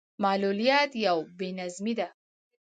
معلوليت يو بې نظمي ده.